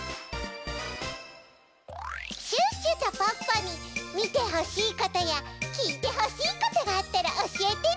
シュッシュとポッポにみてほしいことやきいてほしいことがあったらおしえてね！